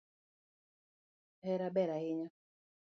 Hera ber ahinya